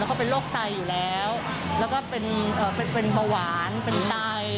แล้วก็เป็นโรคไตอยู่แล้วแล้วก็เป็นผวานเป็นไต